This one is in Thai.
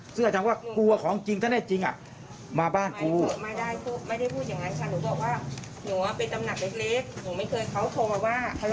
ซึ่งอาจารย์ว่ากลัวของจริงถ้าได้จริงมาบ้านกลัว